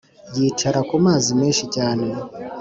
yicara ku mazi menshi cyane